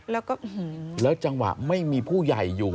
แล้วก็แล้วจังหวะไม่มีผู้ใหญ่อยู่